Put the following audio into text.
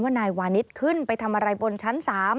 นายวานิสขึ้นไปทำอะไรบนชั้น๓